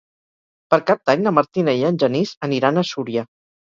Per Cap d'Any na Martina i en Genís aniran a Súria.